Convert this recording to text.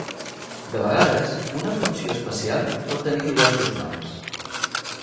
De vegades, una funció especial pot tenir diversos noms.